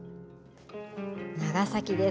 長崎です。